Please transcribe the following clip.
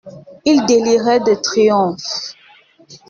Il délirait de triomphe.